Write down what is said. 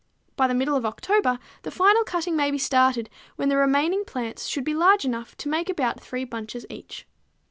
By the middle of October the final cutting may be started, when the remaining plants should be large enough to make about three bunches each.